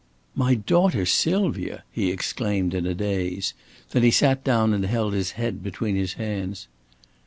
"My daughter Sylvia!" he exclaimed in a daze. Then he sat down and held his head between his hands.